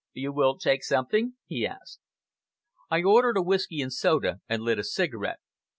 "You will take something?" he asked. I ordered a whisky and soda and lit a cigarette.